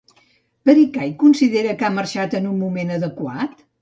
Pericay considera que ha marxat en un moment adequat?